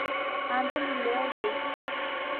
Anthony Leo Geist.